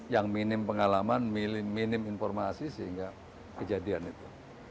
yang minim pengalaman minim informasi sehingga kejadian itu